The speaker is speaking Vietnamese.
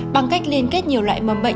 bằng cách liên kết nhiều loại mầm bệnh